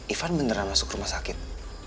ivan beneran masuk rumah sakit